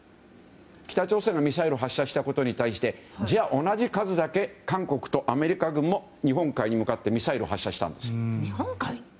北朝鮮がミサイルを発射したことに対してじゃあ、同じ数だけ韓国とアメリカ軍も日本海に向かってミサイルを発射したんですよ。